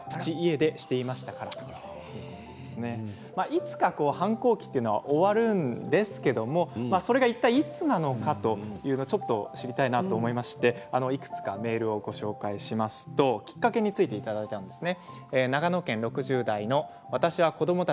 いつか反抗期というのは終わるんですけれどそれがいったい、いつなのかと知りたいなと思いましていくつかメールをご紹介しますときっかけについてです。